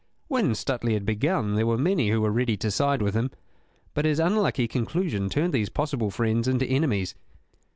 When Stuteley had begun there were many who were ready to side with him, but his unlucky conclusion turned these possible friends into enemies.